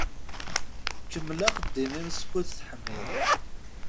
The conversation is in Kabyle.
Kemmel axeddim-im skud teḥmiḍ.